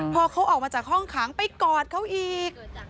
พอเขาออกมาจากห้องขังไปกอดเขาอีก